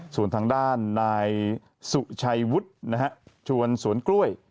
ส่วนทางด้านนายสุชัยวุฒินะฮะชวนสวนกล้วย